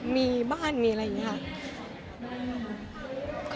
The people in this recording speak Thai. มีบ้านมีอะไรอย่างนี้ค่ะ